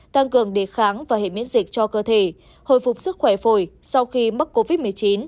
tăng cường đề kháng và hệ miễn dịch cho cơ thể hồi phục sức khỏe phổi sau khi mắc covid một mươi chín